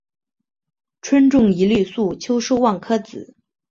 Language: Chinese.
春种一粒粟，秋收万颗子。